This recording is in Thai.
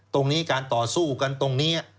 ตรงนี้การต่อสู้กันตรงนี้